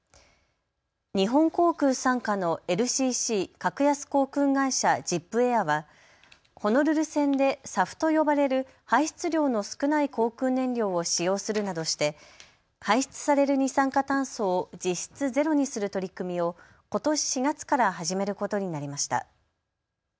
日本航空傘下のＬＣＣ・格安航空会社、ジップエアはホノルル線でＳＡＦと呼ばれる排出量の少ない航空燃料を使用するなどして排出される二酸化炭素を実質ゼロにする取り組みをことし４月から始めることになりました。